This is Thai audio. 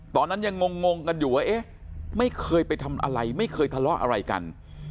ตอนนั้นยังงงกันอยู่ว่าเอ๊ะไม่เคยไปทำอะไรไม่เคยทะเลาะอะไรกัน